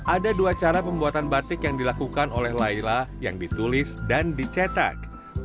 ada dua cara pembuatan batik yang dilakukan oleh laila yang ditulis dan dicetak